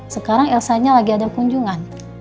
sekarang elsanya lagi ada kunjungan